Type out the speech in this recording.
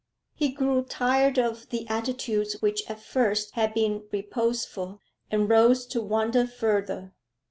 He grew tired of the attitude which at first had been reposeful, and rose to wander further.